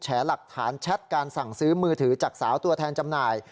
หลักฐานแชทการสั่งซื้อมือถือจากสาวตัวแทนจำหน่าย